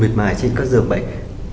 miệt mài trên các giường bệnh